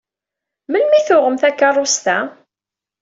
Melmi i tuɣem takeṛṛust-a?